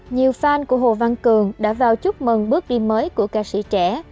nhiều fan của hồ văn cường đã vào chúc mừng bước đi mới của ca sĩ trẻ